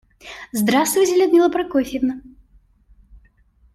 Здравствуйте, Людмила Прокофьевна!